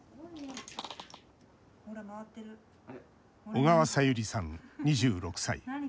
小川さゆりさん、２６歳。